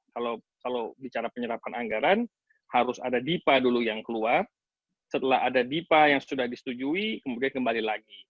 kalau bicara penyerapan anggaran harus ada dipa dulu yang keluar setelah ada dipa yang sudah disetujui kemudian kembali lagi